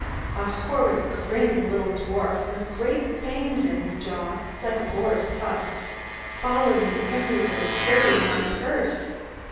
A horrid grinning little dwarf, with great fangs in his jaw, like a boar's tusks, followed me everywhere, carrying my purse.